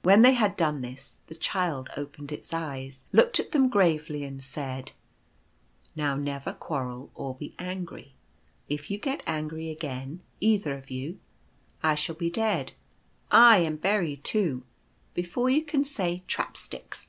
When they The Child wants a Song. 175 had done this, the Child opened hs eyes, looked at them gravely, and said: " Now never quarrel or be ahgry. If you get angry again, either of you, I shall be dead, aye, and buried too, before you can say i trapsticks.'